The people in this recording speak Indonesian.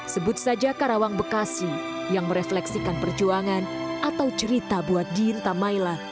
sebut saja karawang bekasi yang merefleksikan perjuangan atau cerita buat dien tamaila